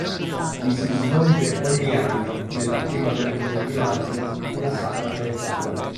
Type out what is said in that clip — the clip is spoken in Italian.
Vi si svolge ogni anno, nella prima domenica di maggio, una sagra paesana.